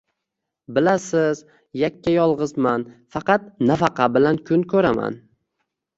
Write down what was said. Bilasiz, yakka-yolgʻizman, faqat nafaqa bilan kun koʻraman